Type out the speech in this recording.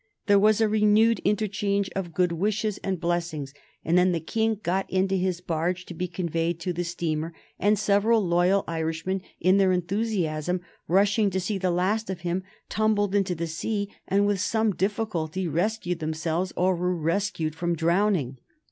There was a renewed interchange of good wishes and blessings, and then the King got into his barge to be conveyed to the steamer, and several loyal Irishmen, in their enthusiasm, rushing to see the last of him, tumbled into the sea, and with some difficulty rescued themselves, or were rescued, from drowning.